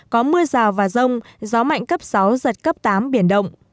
có mưa rào và rông gió mạnh cấp sáu giật cấp tám biển động